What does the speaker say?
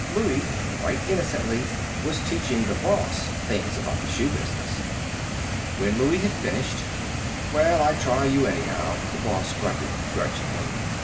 Louie, quite innocently, was teaching the boss things about the shoe business. When Louie had finished "Well, I try you, anyhow," the boss grunted, grudgingly.